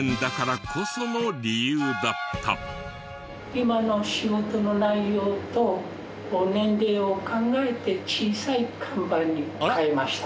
今の仕事の内容と年齢を考えて小さい看板に変えました。